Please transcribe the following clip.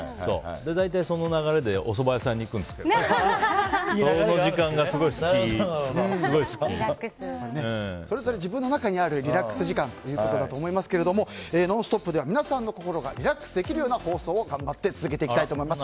大体、その流れでおそば屋さんに行くんですけどそれぞれ自分の中にあるリラックス時間ということだと思いますが「ノンストップ！」では皆さんの心がリラックスできるような放送を頑張って続けていきたいと思います。